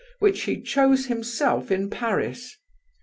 whom he chose himself in Paris.